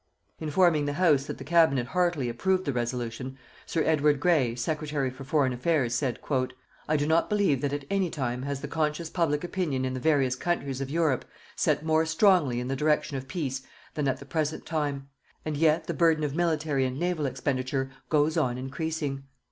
Informing the House that the Cabinet heartily approved the Resolution, Sir Edward Grey, Secretary for Foreign Affairs, said: "_I do not believe that at any time has the conscious public opinion in the various countries of Europe set more strongly in the direction of peace than at the present time, and yet the burden of military and naval expenditure goes on increasing.